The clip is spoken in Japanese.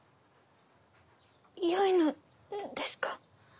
よいのですか？